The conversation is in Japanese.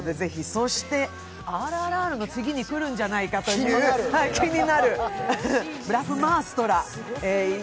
そして「ＲＲＲ」の次に来るんじゃないかという気になる「ブラフマーストラ」。